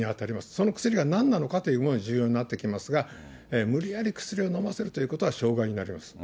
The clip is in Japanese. その薬がなんなのかというのも重要になってきますが、無理やり薬を飲ませるということは傷害になります。